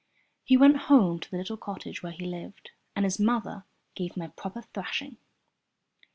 He went home to the little cottage where he lived, and his mother gave him a proper thrashing.